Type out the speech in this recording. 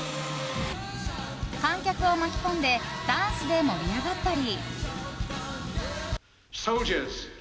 観客を巻き込んでダンスで盛り上がったり。